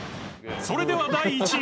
それでは第１位。